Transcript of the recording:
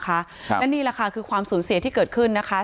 และนี่แหละค่ะคือความสูญเสียที่เกิดขึ้นนะคะ